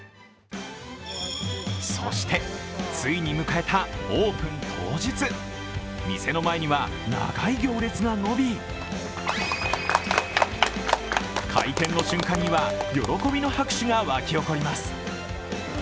そして、ついに迎えたオープン当日店の前には長い行列が伸び開店の瞬間には、喜びの拍手がわき起こります。